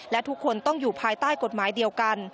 และทุกคนต้องอยู่ภายใต้กฎหมายเดียวกัน